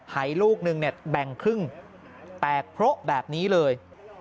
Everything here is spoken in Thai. หายลูกนึงเนี่ยแบ่งครึ่งแตกเพราะแบบนี้เลย